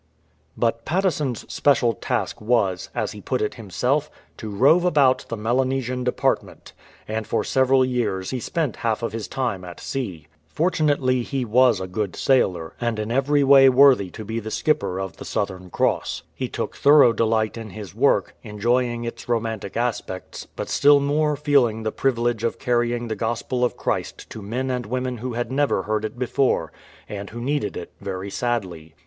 But Patteson's special task was, as he put it himself, "to rove about the Melanesian department," and for several years he spent half of his time at sea. Fortunately he was a good sailor, and in every way worthy to be the skipper of the Southejvi Cross. He took thorough delight in his work, enjoying its romantic aspects, but still more feeling the privilege of carrying the Gospel of Christ to men and women who had never heard it before, and who needed it very sadly.